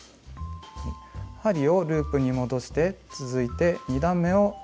針をループに戻して続いて２段めを編みます。